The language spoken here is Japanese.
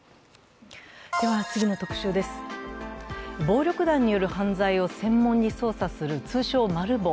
次の特集です、暴力団による犯罪を専門に捜査する通称、マル暴。